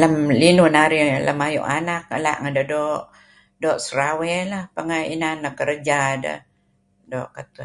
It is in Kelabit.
Lem linuh narih lem ayu' anak la' ngedah doo' serawey lah, pengah inan neh kerja deh doo' ketuh.